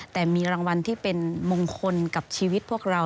แต่มีรางวัลที่เป็นมงคลกับชีวิตพวกเรา